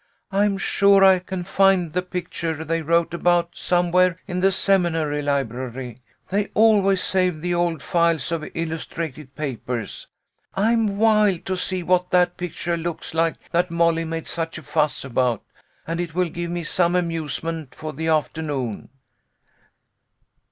I'm sure I can find the picture they wrote about some where in the seminary library. They always save the old files of illustrated papers. I'm wild to see what that picture looks like that Molly made such a fuss about, and it will give me some amusement for the afternoon."